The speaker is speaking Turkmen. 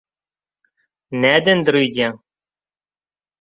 Nädendir öýdýäňiz?